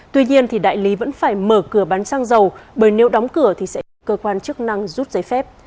tuy nhiên đại lý vẫn phải mở cửa bán xăng dầu bởi nếu đóng cửa thì sẽ bị cơ quan chức năng rút giấy phép